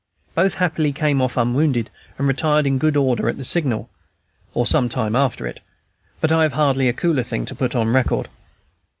Both happily came off unwounded, and retired in good order at the signal, or some time after it; but I have hardly a cooler thing to put on record.